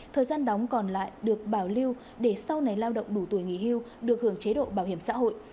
thời gian đóng còn lại được bảo lưu để sau này lao động đủ tuổi nghỉ hưu được hưởng chế độ bảo hiểm xã hội